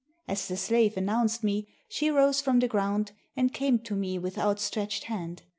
As the slave announced me, she rose from the ground and came to me with out stretched hand.